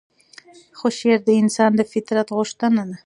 خو شعر د انسان د فطرت غوښتنه ده.